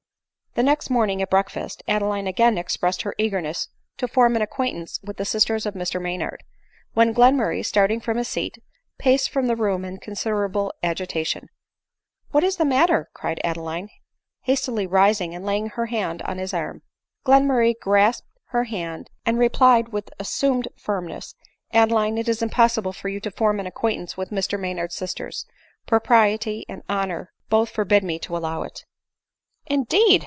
The next morning at breakfast, Adeline again express ed her eagerness to form an acquaintance with the sisters of Mr Maynard ; when Glenmurray, starting from his seat, paced the room in considerable agitation. " What is the matter ?" cried Adeline, hastily rising and laying her hand on his arm. Glenmurray grasped her hand, and replied with assum ed firmness; " Adeline, it is impossible for you to form an acquaintance with Mr Maynard's sisters ; propriety and honor both forbid me to allow it." *t»» w^> ADELINE MOWBRAY. 88 " Indeed